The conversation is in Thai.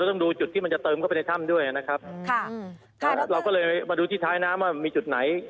ต้องดูจุดที่มันจะเติมเข้าไปในถ้ำด้วยนะครับค่ะครับเราก็เลยมาดูที่ท้ายน้ำว่ามีจุดไหน